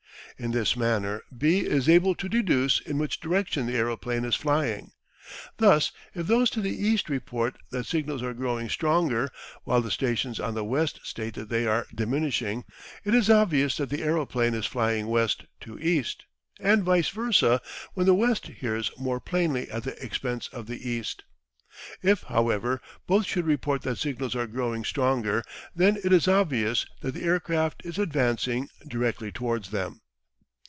In this manner B is able to deduce in which direction the aeroplane is flying. Thus if those to the east report that signals are growing stronger, while the stations on the west state that they are diminishing, it is obvious that the aeroplane is flying west to east, and vice versa when the west hears more plainly at the expense of the east. If, however, both should report that signals are growing stronger, then it is obvious that the aircraft is advancing directly towards them.